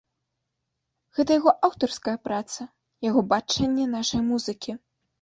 Гэта яго аўтарская праца, яго бачанне нашай музыкі.